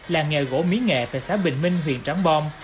làng nghề gỗ mỹ nghệ tại xã bình minh huyện trắng bom